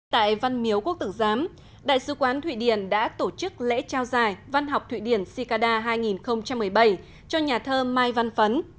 tại văn miếu quốc tử giám đại sứ quán thụy điển đã tổ chức lễ trao giải văn học thụy điển shikada hai nghìn một mươi bảy cho nhà thơ mai văn phấn